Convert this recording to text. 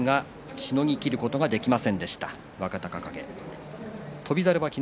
しのぎ切ることができませんでした。